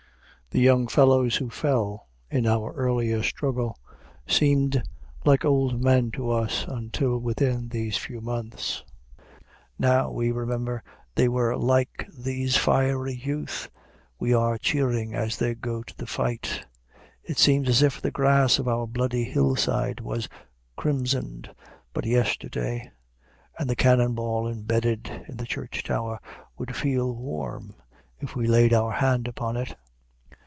The young fellows who fell in our earlier struggle seemed like old men to us until within these few months; now we remember they were like these fiery youth we are cheering as they go to the fight; it seems as if the grass of our bloody hillside was crimsoned but yesterday, and the cannon ball imbedded in the church tower would feel warm, if we laid our hand upon it.